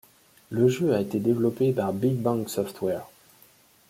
Le jeu a été développé par Big Bang Software.